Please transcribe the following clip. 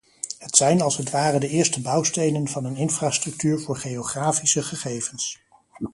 Het zijn als het ware de eerste bouwstenen van een infrastructuur voor geografische gegevens.